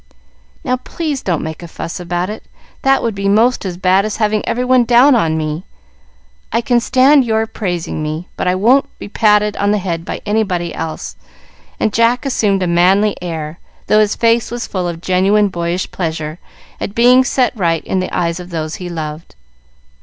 "Now, please, don't make a fuss about it; that would be most as bad as having every one down on me. I can stand your praising me, but I won't be patted on the head by anybody else;" and Jack assumed a manly air, though his face was full of genuine boyish pleasure at being set right in the eyes of those he loved.